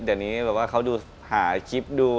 เดี๋ยวนี้แบบว่าเขาดูหาคลิปดู